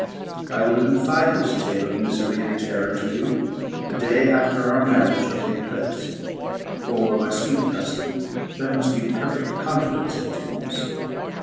I will confide this tale of misery and terror to you the day after our marriage shall take place; for, my sweet cousin, there must be perfect confidence between us.